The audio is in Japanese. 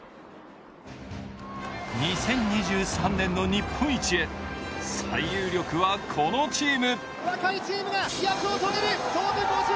２０２３年の日本一へ、最有力はこのチーム。